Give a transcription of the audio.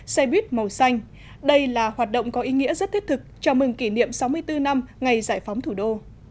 xe buýt màu xanh đây là hoạt động có ý nghĩa rất thiết thực chào mừng kỷ niệm sáu mươi bốn năm ngày giải phóng thủ đô